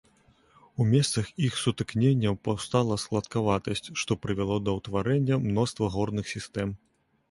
У месцах іх сутыкненняў паўстала складкаватасць, што прывяло да ўтварэння мноства горных сістэм.